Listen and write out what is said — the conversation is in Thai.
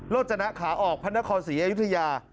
รถจะหนักขาออกพันธกร๔ยุธยา